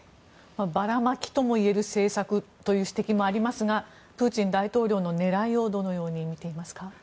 ばらまきともいえる政策という指摘もありますがプーチン大統領の狙いをどのように見ていますか？